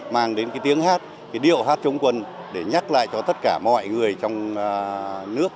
mang đến cái tiếng hát cái điệu hát chống quân để nhắc lại cho tất cả mọi người trong nước